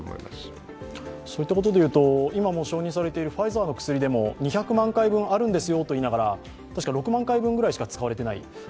そういったことでいうと今もう承認されているファイザーの薬でも２００万回分あるんですよと言いながら、たしか６万回分ぐらいしか使われていない。